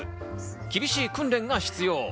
厳しい訓練が必要。